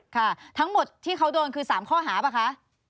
ค่ะทั้งหมดที่เขาโดนคือ๓ข้อหาป่ะคะ